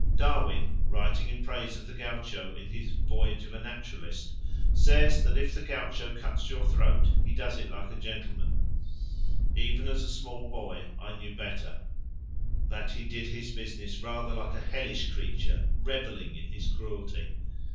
Darwin, writing in praise of the gaucho in his Voyage of a Naturalist, says that if a gaucho cuts your throat he does it like a gentleman: even as a small boy I knew better that he did his business rather like a hellish creature revelling in his cruelty.